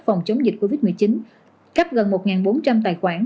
phòng chống dịch covid một mươi chín cấp gần một bốn trăm linh tài khoản